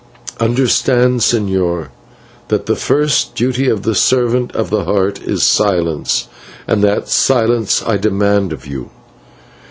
"Understand, señor, that the first duty of the servant of the Heart is silence, and that silence I demand of you.